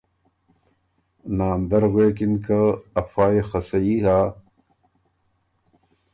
ناندر غوېکِن که ”افا يې خه صحیح هۀ